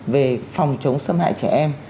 về phòng chống xâm hại trẻ em